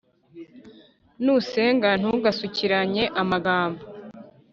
nusenga, ntugasukiranye amagambo